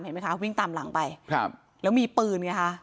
ไหมคะวิ่งตามหลังไปครับแล้วมีปืนไงคะ